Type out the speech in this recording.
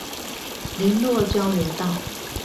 麟洛交流道